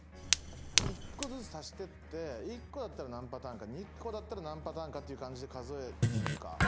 １個ずつ足してって１個だったら何パターンか２個だったら何パターンかっていう感じで数えてみるか。